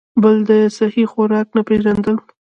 بل د سهي خوراک نۀ پېژندل ،